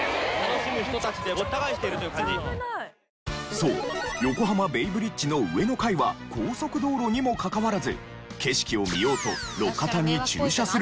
そう横浜ベイブリッジの上の階は高速道路にもかかわらず景色を見ようと。